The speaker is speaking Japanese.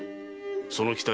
その期待